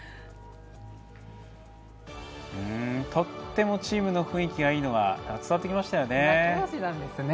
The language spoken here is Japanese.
とてもチームの雰囲気いいのが伝わってきましたね。